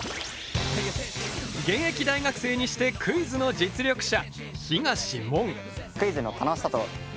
現役大学生にしてクイズの実力者